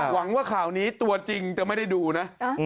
หวังว่าข่าวนี้ตัวจริงจะไม่ได้ดูนะ